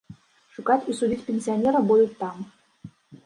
Шукаць і судзіць пенсіянера будуць там.